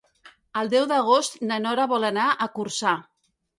El deu d'agost na Nora vol anar a Corçà.